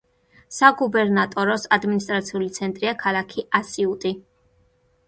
საგუბერნატოროს ადმინისტრაციული ცენტრია ქალაქი ასიუტი.